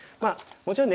もちろんね